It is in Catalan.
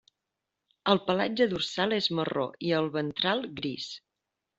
El pelatge dorsal és marró i el ventral gris.